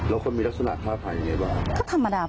แล้วก็มีลักษณะท่าภายอย่างไรบ้าง